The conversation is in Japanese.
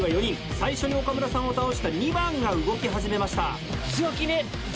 最初に岡村さんを倒した２番が動き始めました。